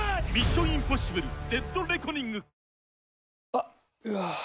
あっ、うわー。